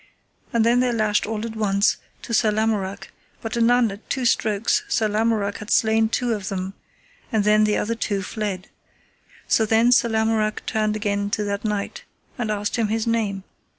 And then they lashed all at once to Sir Lamorak, but anon at two strokes Sir Lamorak had slain two of them, and then the other two fled. So then Sir Lamorak turned again to that knight, and asked him his name.